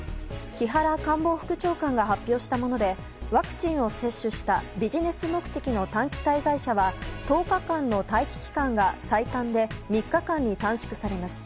木原官房副長官が発表したものでワクチンを接種したビジネス目的の短期滞在者は１０日間の待機期間が最短で３日間に短縮されます。